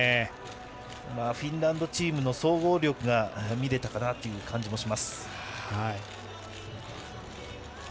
フィンランドチームの総合力が見れたかなという感じがします。